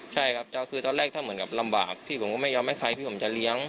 ใช่ครับคือตอนแรกถ้าเหมือนกับลำบากพี่ผมก็ไม่ยอมให้ใครที่ผมจะเลี้ยง